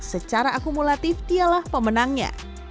secara akumulatif dialah pemenangnya